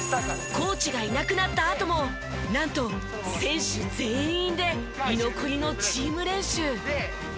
コーチがいなくなったあともなんと選手全員で居残りのチーム練習。